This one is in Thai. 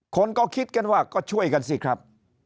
คนก็คิดกันว่าก็ช่วยกันสิครับ